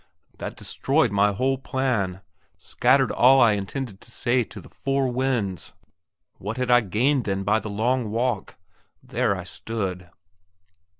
That destroyed my whole plan; scattered all I intended to say to the four winds. What had I gained then by the long walk? There I stood.